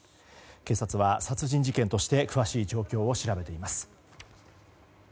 警察は殺人事件として詳しい状況を調べています。